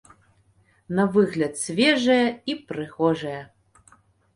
На выгляд свежае і прыгожае.